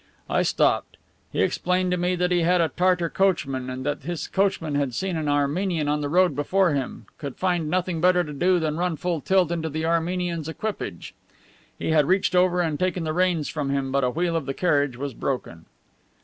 I stopped. He explained to me that he had a Tartar coachman, and that this coachman having seen an Armenian on the road before him, could find nothing better to do than run full tilt into the Armenian's equipage. He had reached over and taken the reins from him, but a wheel of the carriage was broken."